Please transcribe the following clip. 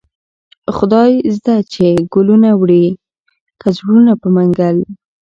خداى زده چې گلونه وړې كه زړونه په منگل